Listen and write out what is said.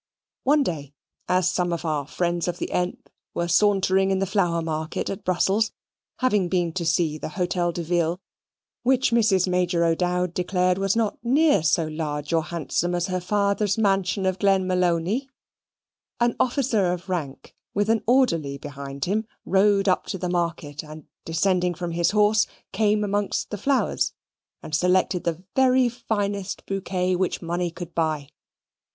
One day, as some of our friends of the th were sauntering in the flower market of Brussels, having been to see the Hotel de Ville, which Mrs. Major O'Dowd declared was not near so large or handsome as her fawther's mansion of Glenmalony, an officer of rank, with an orderly behind him, rode up to the market, and descending from his horse, came amongst the flowers, and selected the very finest bouquet which money could buy.